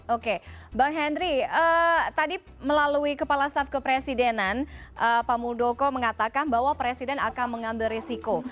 oke bang henry tadi melalui kepala staf kepresidenan pak muldoko mengatakan bahwa presiden akan mengambil risiko